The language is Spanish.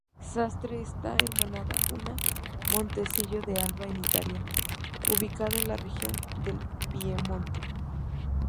Sastre está hermanada con Monticello D'Alba en Italia, ubicada en la región del Piemonte.